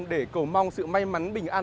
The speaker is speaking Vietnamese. để cầu mong sự may mắn bình an